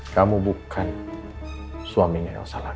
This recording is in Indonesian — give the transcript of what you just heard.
kamu bukan suaminya elsa lagi